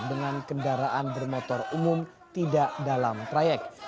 dengan kendaraan bermotor umum tidak dalam trayek